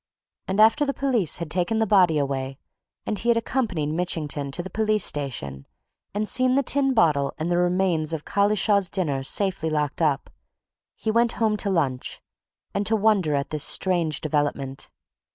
And after the police had taken the body away, and he had accompanied Mitchington to the police station and seen the tin bottle and the remains of Collishaw's dinner safely locked up, he went home to lunch, and to wonder at this strange development.